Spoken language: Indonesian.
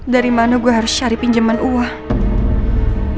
dari mana gue harus cari pinjaman uang